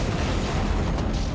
kita harus ke rumah